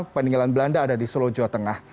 peninggalan belanda ada di solo jawa tengah